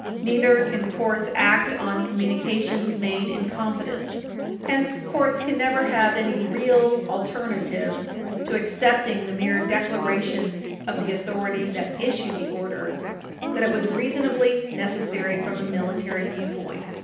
Neither can courts act on communications made in confidence. Hence, courts can never have any real alternative to accepting the mere declaration of the authority that issued the order that it was reasonably necessary from a military viewpoint.